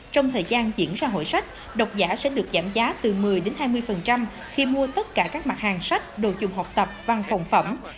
trong thời gian diễn ra hội sách độc giả sẽ được giảm giá từ một mươi hai mươi khi mua tất cả các mặt hàng sách đồ dùng học tập văn phòng phẩm